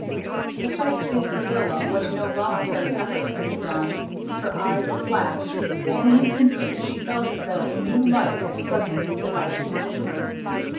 The sight did for Lilla what no voluntary effort could have done. Her eyes flashed, and in an instant she felt as though a new life had suddenly developed within her.